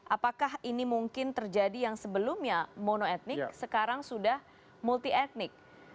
apakah ini mungkin terjadi yang sebelumnya mono etnik sekarang sudah multi etnik